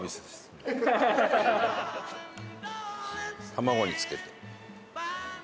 卵につけて。